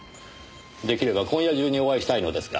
出来れば今夜中にお会いしたいのですが。